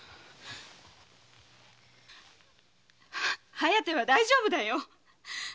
「疾風」は大丈夫だよ。